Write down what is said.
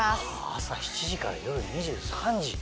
朝７時から夜２３時！